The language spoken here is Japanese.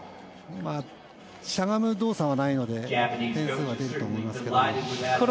しゃがむ動作はないので点数が出ると思いますけど。